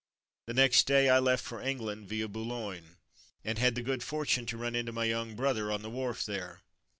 The next day I left for England, via Boulogne, and had the good fortune to run into my young brother on the wharf there.